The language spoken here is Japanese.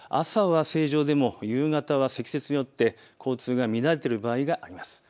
朝は正常でも夕方は積雪によって交通が乱れている場合があります。